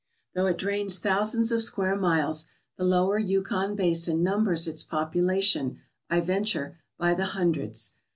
Though it drains thousands of square miles, the Lower Yukon basin numbers its population, I venture, by the hundreds.